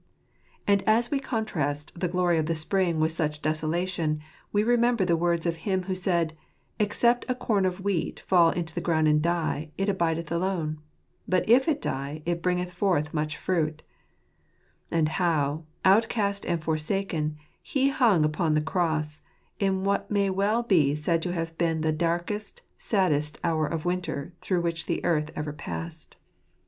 And as we contrast the glory of the spring with such desolation, we remember the words of Him who said, w Except a corn of wheat fall into the ground and die, it abideth alone ; but if it die, it bringeth forth much fruit"; and how, outcast and forsaken, He hung upon the Cross, in what may well be said to have been the darkest, saddest, hour of winter through which earth ever passed.